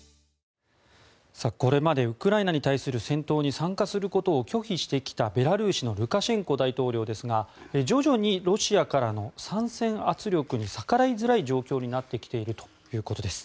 これまでウクライナに対する戦闘に参加することを拒否してきたベラルーシのルカシェンコ大統領ですが徐々にロシアからの参戦圧力に逆らいづらい状況になってきているということです。